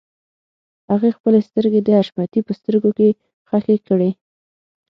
هغې خپلې سترګې د حشمتي په سترګو کې ښخې کړې.